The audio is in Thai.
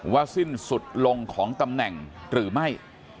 สิ้นสุดลงของตำแหน่งหรือไม่